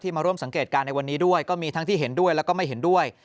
มาร่วมสังเกตการณ์ในวันนี้ด้วยก็มีทั้งที่เห็นด้วยแล้วก็ไม่เห็นด้วย